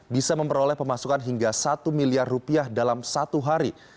bisa memperoleh pemasukan hingga satu miliar rupiah dalam satu hari